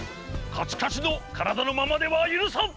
カチカチのからだのままではゆるさん！